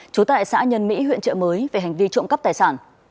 trú tại xã nhân mỹ huyện trợ mới về hành vi trộm cắp tài sản